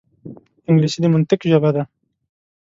انګلیسي د منطق ژبه ده